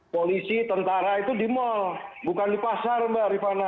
polisi tentara itu di mal bukan di pasar mbak rifana